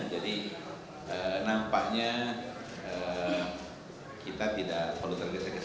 jadi nampaknya kita tidak terlalu tergesa gesa